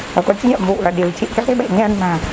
và có nhiệm vụ là điều trị các bệnh nhân